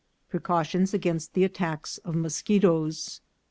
Precautions against the Attacks of Moschetoes.